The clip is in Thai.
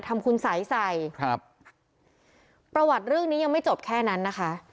ทำคุณสัยใส่ครับประวัติเรื่องนี้ยังไม่จบแค่นั้นนะคะ